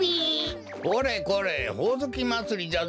これこれほおずきまつりじゃぞ。